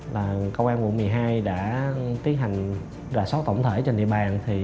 là công an quận một mươi hai đã tiến hành đà sốt tổng thể trên địa bàn